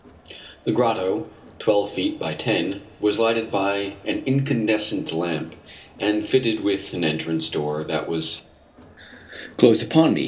The grotto, twelve feet by ten, was lighted by an incandescent lamp, and fitted with an entrance door that was closed upon me.